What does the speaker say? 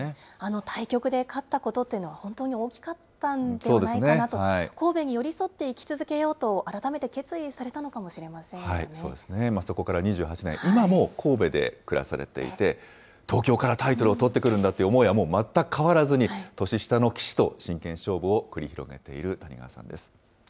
対局で勝ったことというのは、本当に大きかったんではないかなと、神戸に寄り添って生き続けようと改めて決意されたのかもしれそうですね、そこから２８年、今も神戸で暮らされていて、東京からタイトルを取ってくるんだという思いはもう全く変わらずに、年下の棋士と真剣勝負を繰り広げている谷川さんです。